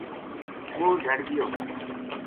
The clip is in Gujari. وہ جھڑ گیو